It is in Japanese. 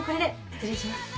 失礼します。